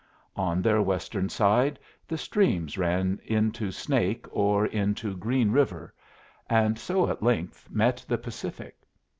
On their western side the streams ran into Snake or into Green River, and so at length met the Pacific.